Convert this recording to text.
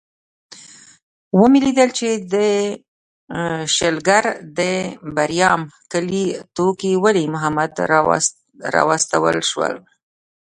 ومې لیدل چې د شلګر د بریام کلي ټوکي ولي محمد راوستل شو.